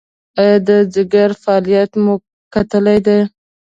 ایا د ځیګر فعالیت مو کتلی دی؟